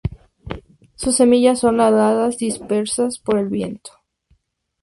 Sus semillas son aladas, dispersas por el viento.